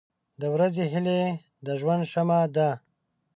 • د ورځې هیلې د ژوند شمع ده.